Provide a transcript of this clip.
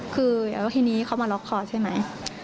คือแล้วทีนี้เขามาล็อกคอใช่ไหม